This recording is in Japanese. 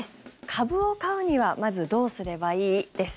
株を買うにはまずどうすればいい？です。